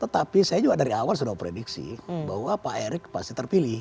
tetapi saya juga dari awal sudah prediksi bahwa pak erick pasti terpilih